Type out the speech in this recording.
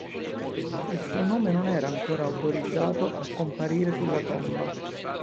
Il suo nome non era ancora autorizzato a comparire sulla sua tomba.